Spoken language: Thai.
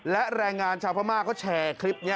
และแรงงานชาวพม่าก็แชร์คลิปนี้